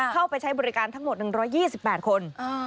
เข้าไปใช้บริการทั้งหมด๑๒๘คน